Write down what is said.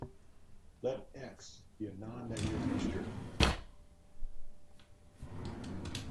Let "X" be a non-negative integer.